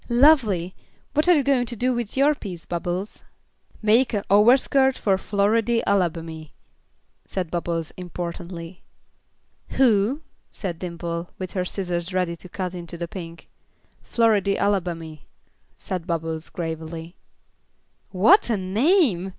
"Lovely! What are you going to do with your piece, Bubbles?" "Make a overskirt for Floridy Alabamy," said Bubbles, importantly. "Who?" said Dimple, with her scissors ready to cut into the pink. "Floridy Alabamy," said Bubbles, gravely. "What a name!"